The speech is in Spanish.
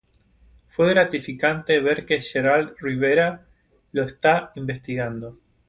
Fue gratificante ver que Geraldo Rivera lo está investigando.